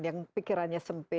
yang pikirannya sempit